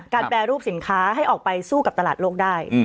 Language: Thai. แปรรูปสินค้าให้ออกไปสู้กับตลาดโลกได้